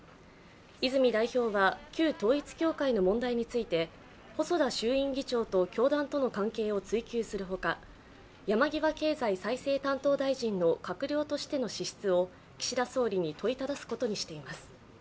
泉代表は旧統一教会の問題について細田衆院議長と教団との関係を追及するほか山際経済再生担当大臣の閣僚としての資質を岸田総理に問いただすことにしています。